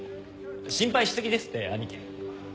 心配し過ぎですって兄貴。